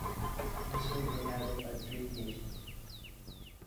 Instead, they have a buttery taste.